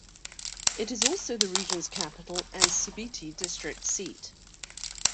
It is also the region's capital and Sibiti District seat.